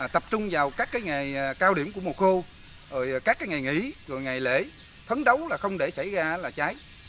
tập trung vào các ngày cao điểm của mùa khô các ngày nghỉ ngày lễ thấn đấu không để xảy ra là cháy